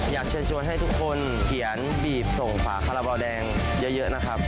อยากเชิญชวนให้ทุกคนเขียนบีบส่งฝาคาราบาลแดงเยอะนะครับ